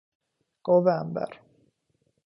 گاو عنبر